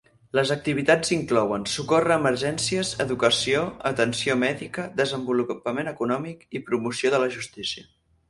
Les activitats inclouen: socórrer emergències, educació, atenció mèdica, desenvolupament econòmic i promoció de la justícia.